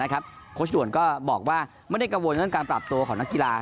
ต่างทุกอย่างนะครับโคชด่วนก็บอกว่าไม่ได้กระโวนเรื่องการปรับตัวของนักกีฬา